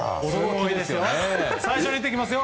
最初に言っておきますよ？